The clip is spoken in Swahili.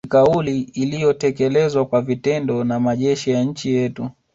Ni kauli iliyotekelezwa kwa vitendo na majeshi ya nchi yetu